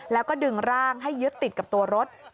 แล้วก็ดึงร่างให้ยึดติดกับตัวรถ